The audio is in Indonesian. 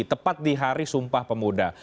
tepat di hari sumpah pemuda